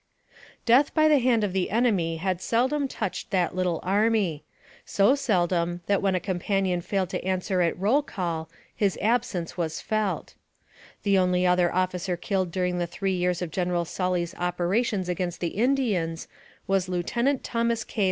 Death by the hand of the enemy had seldom touched that little army so seldom, that when a companion failed to answer at roll call, his absence was felt. The 22 258 NAKRATIVE OF CAPTIVITY only other officer killed during the three years of Gen eral Sally's operations against the Indians was Lieu tenant Thomas K.